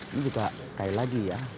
ini juga sekali lagi ya